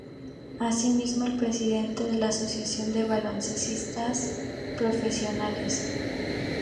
Asimismo, es el presidente de la Asociación de Baloncestistas Profesionales.